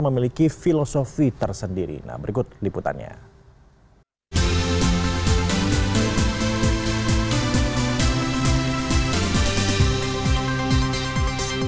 memiliki filosofi tersendiri nah berikut liputannya makanan tradisional indonesia